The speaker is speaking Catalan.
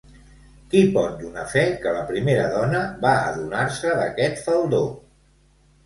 Qui pot donar fe que la primera dona va adonar-se d'aquest faldó?